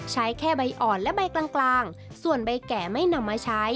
ใช้แค่ใบอ่อนและใบกลางส่วนใบแก่ไม่นำมาใช้